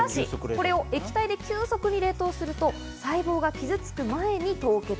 しかし、これを液体で急速に冷凍すると細胞が傷つく前に凍結。